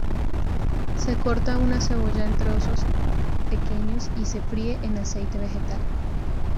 Se corta una cebolla en trozos pequeños y se fríe en aceite vegetal.